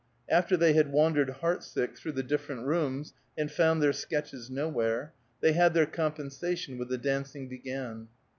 After they had wandered heart sick through the different rooms, and found their sketches nowhere, they had their compensation when the dancing began.